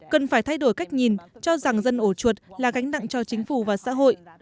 cần phải thay đổi cách nhìn cho rằng dân ổ chuột là gánh nặng cho chính phủ và xã hội